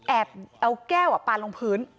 แอบเอาแก้วปลาลงพื้น